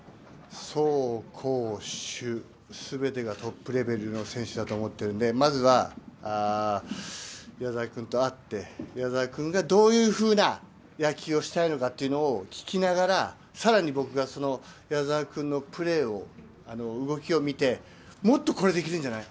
走攻守全てがトップレベルの選手だと思っているので、まずは矢澤君と会って、矢澤君がどういうふうな野球をしたいのか聞きながら、更に僕がその矢澤君のプレー、動きを見てもっとこれできるんじゃない？